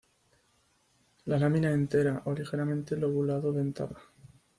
La lámina entera o ligeramente lobulado-dentada.